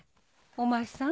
お前さん